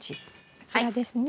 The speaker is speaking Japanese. こちらですね。